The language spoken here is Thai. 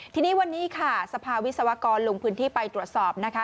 ทีนี้วันนี้ค่ะสภาวิศวกรลงพื้นที่ไปตรวจสอบนะคะ